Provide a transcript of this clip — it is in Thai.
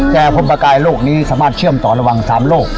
แต่พลประกายโลกนี้สามารถเชื่อมต่อระหว่าง๓โลก